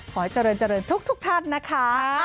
ก็ขอให้เจริญทุกทันนะคะ